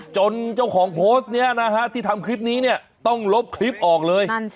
เจ้าของโพสต์นี้นะฮะที่ทำคลิปนี้เนี่ยต้องลบคลิปออกเลย